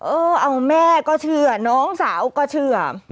เออเอาแม่ก็เชื่อน้องสาวก็เชื่อ